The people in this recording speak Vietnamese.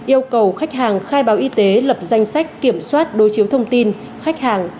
yêu cầu khách hàng khai báo y tế lập danh sách kiểm soát đối chiếu thông tin khách hàng